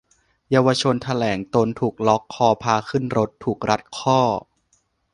เยาวชนแถลงตนถูกล็อกคอพาขึ้นรถ-ถูกรัดข้อ